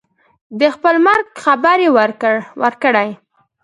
د خپل مرګ خبر یې ورکړی.